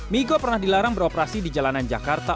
migo pernah dilarang beroperasi di jalanan jakarta